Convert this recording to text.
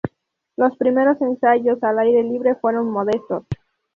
Los primeros ensayos al aire libre fueron modestos.